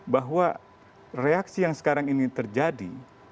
bahwa reaksi yang sekarang ini terjadi